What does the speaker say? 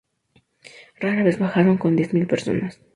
Rara vez bajaron de diez mil personas.